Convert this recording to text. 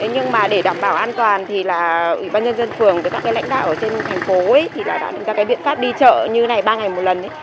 nhưng để đảm bảo an toàn ủy ban nhân dân phường và các lãnh đạo trên thành phố đã đảm bảo biện pháp đi chợ như này ba ngày một lần